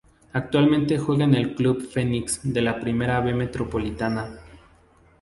Actualmente juega en Club Fenix de la primera B metropolitana.